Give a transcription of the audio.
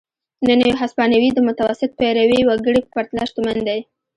نن یو هسپانوی د متوسط پیرويي وګړي په پرتله شتمن دی.